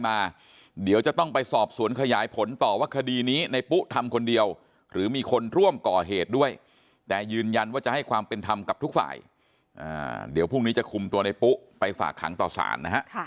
แม่ขอความยุติธรรมความเป็นธรรมให้กับแม่เขาด้วย